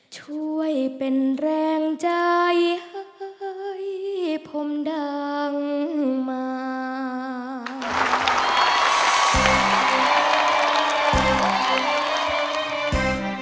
ช่วยเป็นแรงใจให้ผมดังมา